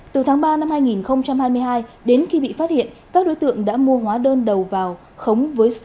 từ tháng ba năm hai nghìn hai mươi hai đến khi bị phát hiện các đối tượng đã mua hóa đơn đầu vào khống với số lượng